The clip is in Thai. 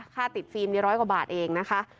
ค่าติดฟิล์ม๑๐๐กว่าบาทเองนะคะ